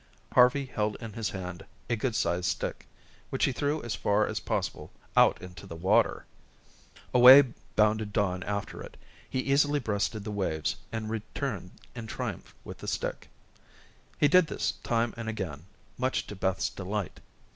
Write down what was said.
Harvey held in his hand a good sized stick, which he threw as far as possible out into the water. [Illustration: Harvey. (Illustration missing from book)] Away bounded Don after it. He easily breasted the waves, and returned in triumph with the stick. He did this time and again, much to Beth's delight.